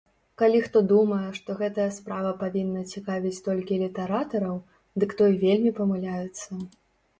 Калі хто думае, што гэтая справа павінна цікавіць толькі літаратараў, дык той вельмі памыляецца.